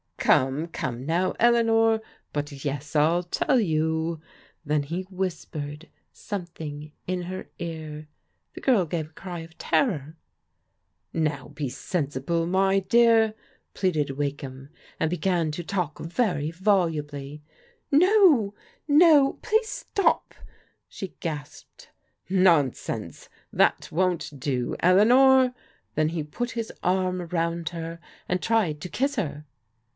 " Come, come now, Eleanor, — ^but, yes, I'll tell you." Then he whispered something in her ear. The girl gave a cry of terror. " Now be sensible, my dear," pleaded Wakeham, and began to talk very volubly. No ! no ! Please stop !" she gasped. Nonsense; that won't do, Eleanor." Then he put his arm round her and tried to kiss her.